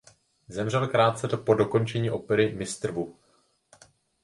Zemřel krátce po dokončení opery "Mister Wu".